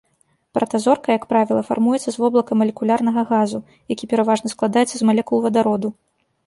Пратазорка, як правіла, фармуецца з воблака малекулярнага газу, які пераважна складаецца з малекул вадароду.